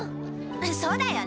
そうだよね。